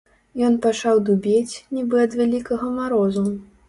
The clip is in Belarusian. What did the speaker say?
Ён пачаў дубець, нібы ад вялікага марозу.